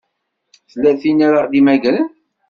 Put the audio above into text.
Tella tin ara ɣ-d-imagren?